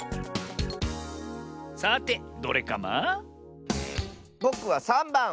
さてどれカマ？ぼくは３ばん！